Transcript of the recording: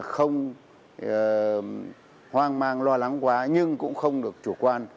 không hoang mang lo lắng quá nhưng cũng không được chủ quan